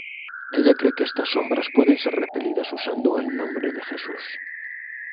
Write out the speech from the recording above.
Ella cree que estas sombras pueden ser repelidas usando "el nombre de Jesús".